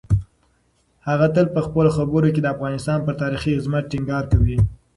هغه تل په خپلو خبرو کې د افغانستان پر تاریخي عظمت ټینګار کوي.